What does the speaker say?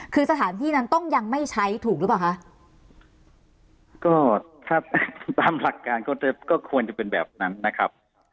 คือสถานที่นั้นต้องยังไม่ใช้ถูกหรือเปล่าคะก็ถ้าตามหลักการก็จะก็ควรจะเป็นแบบนั้นนะครับ